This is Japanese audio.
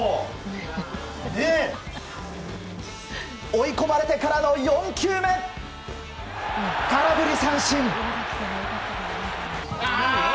追い込まれてからの４球目空振り三振。